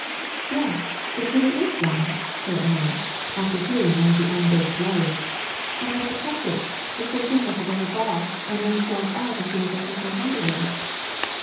'' ^^Yes, it really is warm," Claire announced, after feeling of one of the unbaked loaves; ^^and when I press it, it goes in like a rubber ball and then swells out as soon as I take my hand away.